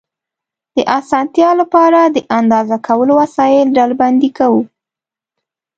د اسانتیا له پاره، د اندازه کولو وسایل ډلبندي کوو.